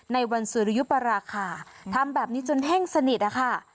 ในวันสุริยุปราคาทำแบบนี้จนเท่งสนิทนะคะ